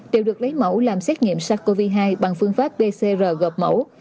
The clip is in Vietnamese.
đều được lấy mẫu làm xét nghiệm sát covid hai bằng phương pháp pcr gợp mẫu